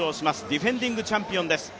ディフェンディングチャンピオンです。